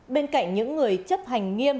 bên cạnh những người chấp hành nghiêm